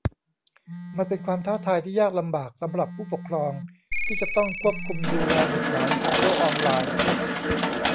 มันเป็นความท้าทายที่ยากลำบากสำหรับผู้ปกครองที่จะต้องควบคุมดูแลบุตรหลานทางโลกออนไลน์